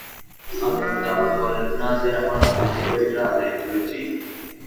আদালতে আবার বলেন না যে আমরা জোর করে এটা আদায় করেছি।